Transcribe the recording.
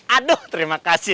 aduh terima kasih